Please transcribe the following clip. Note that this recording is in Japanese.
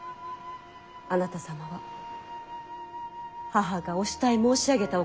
あなた様は母がお慕い申し上げたお方だったと。